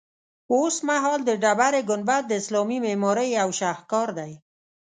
اوسمهال د ډبرې ګنبد د اسلامي معمارۍ یو شهکار دی.